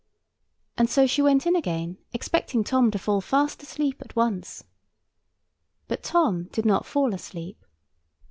And so she went in again, expecting Tom to fall fast asleep at once. But Tom did not fall asleep.